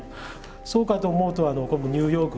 そうかと思うと今度ニューヨーク。